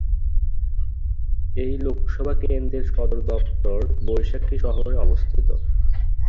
এই লোকসভা কেন্দ্রের সদর দফতর বৈশালী শহরে অবস্থিত।